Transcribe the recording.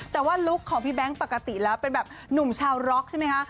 แต่ว่าลุคของพี่แบงค์ปกติแล้วเป็นแบบหนุ่มชาวร็อกใช่ไหมคะ